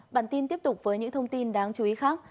bản tin tiếp tục với những thông tin đáng chú ý khác